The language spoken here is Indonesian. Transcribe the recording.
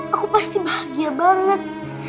aku pasti bahagia banget